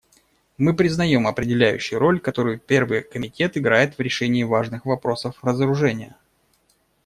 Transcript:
Мы признаем определяющую роль, которую Первый комитет играет в решении важных вопросов разоружения.